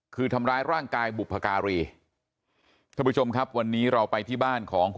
คือทำร้ายร่างกายบุพการีท่านผู้ชมครับวันนี้เราไปที่บ้านของคุณ